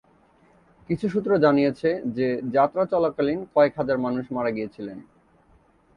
কিছু সূত্র জানিয়েছে যে যাত্রা চলাকালীন কয়েক হাজার মানুষ মারা গিয়েছিলেন।